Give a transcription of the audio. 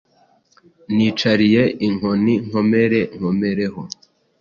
Nicariye inkoni nkomere nkomere ho.